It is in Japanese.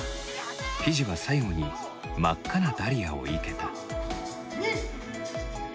ひじは最後に真っ赤なダリアをいけた。